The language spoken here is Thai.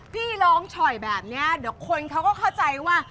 พี่ร้องฉ่อยแบบนี้เดี๋ยวคนเขาก็เข้าใจว่า